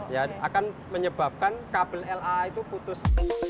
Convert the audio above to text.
dan akan menyebabkan kabel laa itu putus